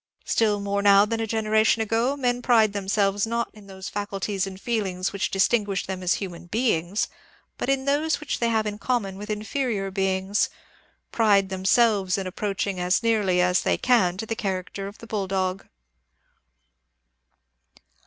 Still more now than a generation ago, men pride themselves not in those faculties and feelings which distinguish them as human beings, but in those which they have in common with inferior beings — pride themselves in approaching as nearly as they can to the character of the bulldog.